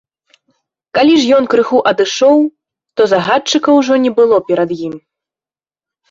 Калі ж ён крыху адышоў, то загадчыка ўжо не было перад ім.